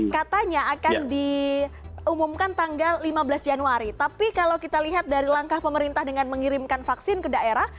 katanya akan diumumkan tanggal lima belas januari tapi kalau kita lihat dari langkah pemerintah dengan mengirimkan vaksin ke daerah